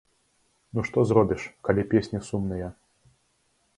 Ну што зробіш, калі песні сумныя?